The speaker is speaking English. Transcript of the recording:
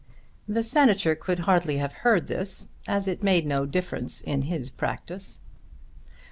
The Senator could hardly have heard this, as it made no difference in his practice.